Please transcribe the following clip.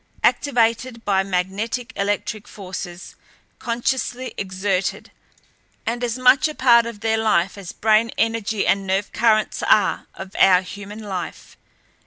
Activated by magnetic electric forces consciously exerted and as much a part of their life as brain energy and nerve currents are of our human life.